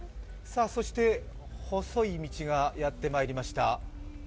そして細い道がやってまいりました。